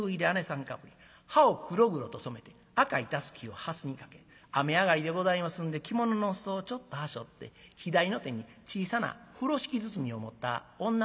かぶり歯を黒々と染めて赤いタスキをはすにかけ雨上がりでございますんで着物の裾をちょっとはしょって左の手に小さな風呂敷包みを持った女の人でございます。